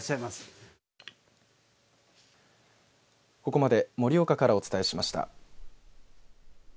ここまで盛岡からお伝えしました。